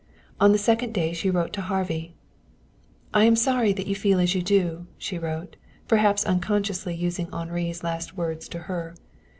On the second day she wrote to Harvey. "I am sorry that you feel as you do," she wrote, perhaps unconsciously using Henri's last words to her.